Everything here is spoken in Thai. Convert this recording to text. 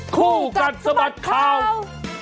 คู่กัดสะบัดข่าว